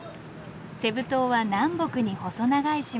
セブ島は南北に細長い島。